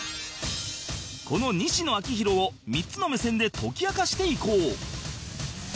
この西野亮廣を３つの目線で解き明かしていこう